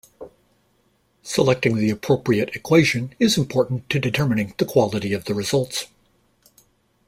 Selecting the appropriate equation is important to determining the quality of the results.